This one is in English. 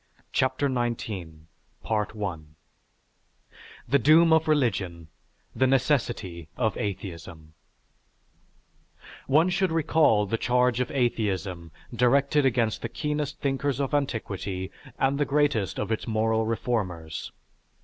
CHAPTER XIX THE DOOM OF RELIGION; THE NECESSITY OF ATHEISM _One should recall the charge of atheism directed against the keenest thinkers of antiquity and the greatest of its moral reformers.